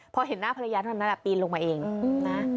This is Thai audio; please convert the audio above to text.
พอเห็นหน้าภรรยาเท่านั้นปีนลงมาเองนะ